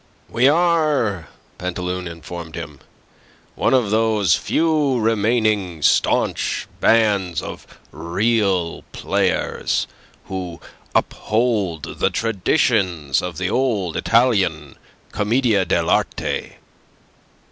"We are," Pantaloon informed him, "one of those few remaining staunch bands of real players, who uphold the traditions of the old Italian Commedia dell' Arte.